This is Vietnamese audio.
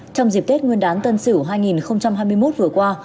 trong dịp tết nguyên đán tân sửu hai nghìn hai mươi một vừa qua